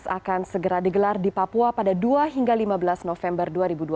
akan segera digelar di papua pada dua hingga lima belas november dua ribu dua puluh